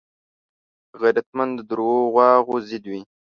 غیرتمند د دروغو ضد وي